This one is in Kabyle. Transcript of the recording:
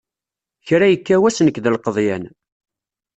Kra yekka wass nekk d lqeḍyan.